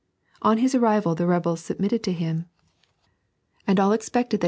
On his arrival the rebels submitted to him, and all expected that 3.